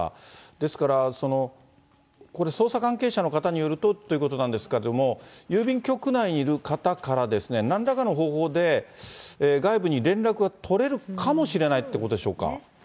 ですから、これ、捜査関係者の方によるとっていうことなんですけども、郵便局内にいる方からなんらかの方法で、外部に連絡が取れるかもしれないってことでしょうか。